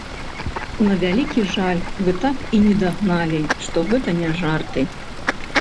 На вялікі жаль, вы так і не дагналі, што гэта не жарты!